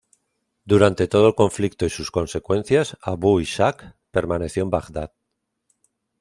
Durante todo el conflicto y sus consecuencias, Abu Ishaq permaneció en Bagdad.